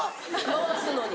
回すのに。